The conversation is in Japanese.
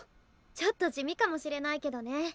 ちょっと地味かもしれないけどね。